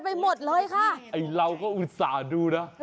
ไอเราเขาก็อุตส่าดูนะ